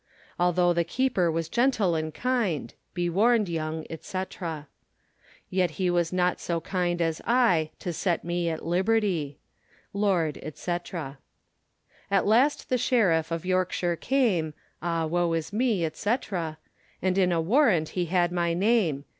Although the keeper was gentle and kinde, Be warned yong, &c. Yet was he not so kinde as I, To let me be at libertie. Lord, &c. At last the shiriffe of Yorke shire came, Ah woe is me, &c. And in a warrant he had my name.